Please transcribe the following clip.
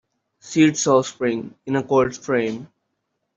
Seed - sow spring in a cold frame.